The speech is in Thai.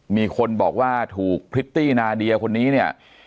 มีคนบอกว่าถูกพริตตี้นาเดียคนนี้เนี่ย